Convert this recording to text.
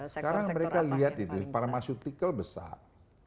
sekarang mereka lihat itu parma sutikel besar